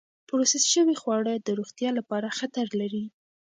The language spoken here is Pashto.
پروسس شوې خواړه د روغتیا لپاره خطر لري.